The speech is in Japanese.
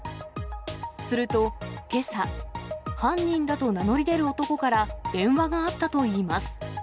すると、けさ、犯人だと名乗り出る男から、電話があったといいます。